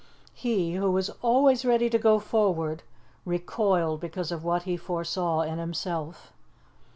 He, who was always ready to go forward, recoiled because of what he foresaw in himself.